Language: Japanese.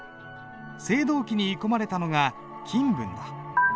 青銅器に鋳込まれたのが金文だ。